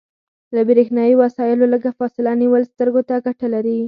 له بریښنایي وسایلو لږه فاصله نیول سترګو ته ګټه لري.